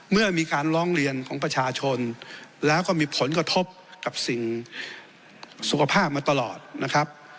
เมื่อมีการร้องเรียนของประชาชนแล้วก็มีผลกระทบกับสิ่งสุขภาพมาตลอดนะครับ